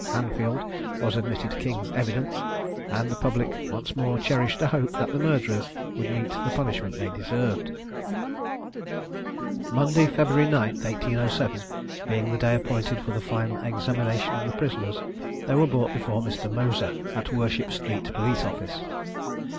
Hanfield was admitted king's evidence, and the public once more cherished a hope that the murderers would meet the punishment they deserved. Monday, February 9, 1807, being the day appointed for the final examination of the prisoners, they were brought before Mr. Moser, at Worship street Police office.